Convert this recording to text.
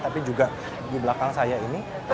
tapi juga di belakang saya ini